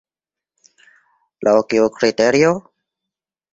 Laŭ kiu kriterio?